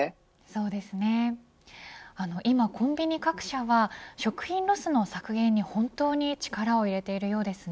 今、コンビニ各社は食品ロスの削減に、本当に力を入れているようですね。